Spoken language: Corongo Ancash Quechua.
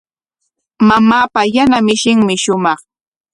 Mamaapa yana mishinmi shumaq.